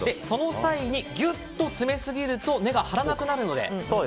その際にギュッと詰めてしまうと根が張らなくなるので。